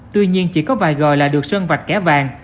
tuy nhiên chỉ có vài gờ là được sơn vạch kẻ vàng